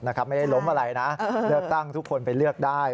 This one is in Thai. ไม่ได้ล้มอะไรนะเลือกตั้งทุกคนไปเลือกได้